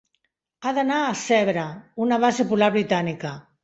Han d’anar a Zebra, una base polar britànica.